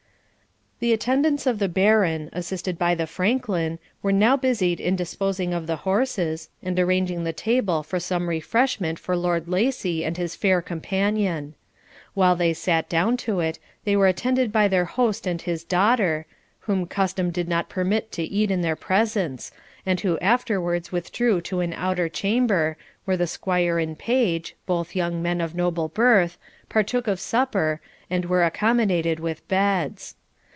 The attendants of the Baron, assisted by the Franklin, were now busied in disposing of the horses, and arranging the table for some refreshment for Lord Lacy and his fair companion. While they sat down to it, they were attended by their host and his daughter, whom custom did not permit to eat in their presence, and who afterwards withdrew to an outer chamber, where the squire and page (both young men of noble birth) partook of supper, and were accommodated with beds.